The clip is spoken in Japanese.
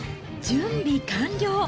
準備完了。